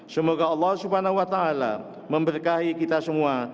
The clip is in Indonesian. semoga allah swt memberkahi kita semua